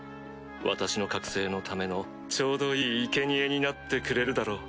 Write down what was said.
私の覚醒のためのちょうどいい生け贄になってくれるだろう。